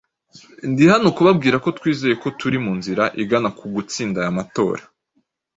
Ndi hano kubabwira ko twizeye ko turi mu nzira igana ku gutsinda aya matora".